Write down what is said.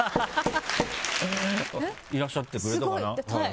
お、いらっしゃってくれたかな。